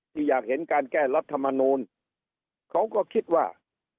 อยากเห็นการแก้รัฐมนูลเขาก็คิดว่า